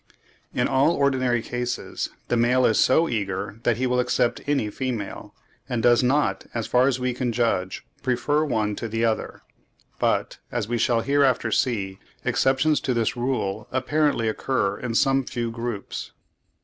In all ordinary cases the male is so eager that he will accept any female, and does not, as far as we can judge, prefer one to the other; but, as we shall hereafter see, exceptions to this rule apparently occur in some few groups.